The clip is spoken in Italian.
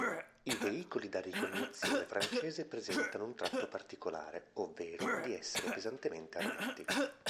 I veicoli da ricognizione francese presentano un tratto particolare, ovvero di essere pesantemente armati.